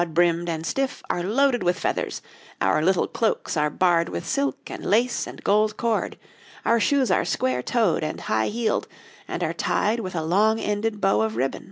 ] Our hats, broad brimmed and stiff, are loaded with feathers; our little cloaks are barred with silk and lace and gold cord; our shoes are square toed and high heeled, and are tied with a long ended bow of ribbon.